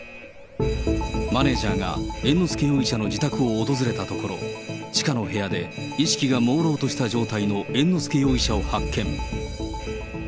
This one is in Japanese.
マネージャーが猿之助容疑者の訪れたところ、地下の部屋で意識がもうろうとした状態の猿之助容疑者を発見。